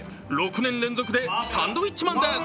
６年連続でサンドウィッチマンです